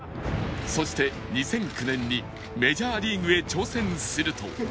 そして２００９年にメジャーリーグへ挑戦すると